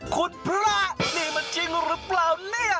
คุณพระนี่มันจริงหรือเปล่าเนี่ย